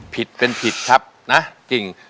ผิดเป็นผิดครับนะจริง